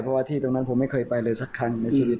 เพราะว่าที่ตรงนั้นผมไม่เคยไปเลยสักครั้งในชีวิต